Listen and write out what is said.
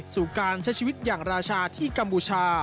สู่การใช้ชีวิตอย่างราชาที่กัมพูชา